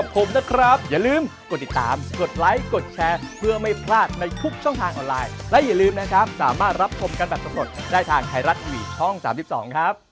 ผมนะครับอย่าลืมกดติดตามกดไลค์กดแชร์เพื่อไม่พลาดในทุกช่องทางออนไลน์และอย่าลืมนะครับสามารถรับชมกันแบบสำรวจได้ทางไทยรัฐทีวีช่อง๓๒ครับ